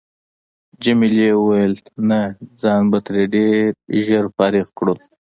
جميلې وويل: نه ځان به ترې ډېر ژر فارغ کړو.